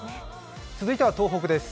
続いては東北です。